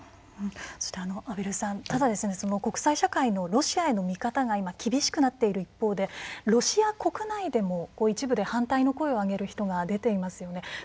そして畔蒜さんただですね国際社会のロシアへの見方が今厳しくなっている一方でロシア国内でも一部で反対の声を上げる人が出ていますよね。